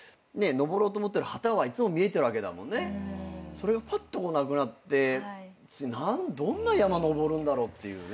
それがぱっとなくなって次どんな山のぼるんだろうっていうね。